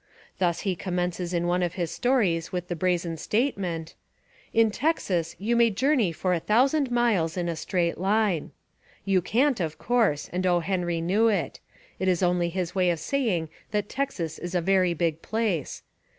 Thus he commences one of his stories with the brazen statement: "In Texas you may journey for a thousand miles in a straight line." You can't, of course; and O. Henry knew It. It is only his way of saying that Texas is a very big place.